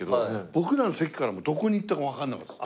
僕らの席からもどこに行ったかわかんなかった。